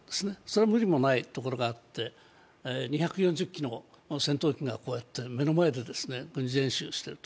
それは無理もないところがあって２４０機の戦闘機が目の前で軍事演習をしている。